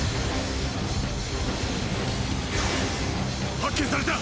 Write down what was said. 発見された！